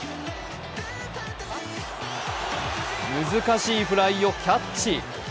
難しいフライをキャッチ。